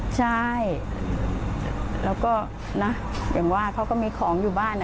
ใช่แล้วก็นะอย่างว่าเขาก็มีของอยู่บ้าน